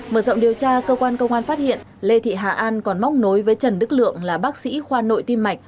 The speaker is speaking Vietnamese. mở rộng điều tra cơ quan công an phát hiện lê thị hà an còn móc nối với trần đức lượng là bác sĩ khoa nội tim mạch